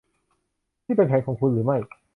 นี่เป็นแผนของคุณหรือไม่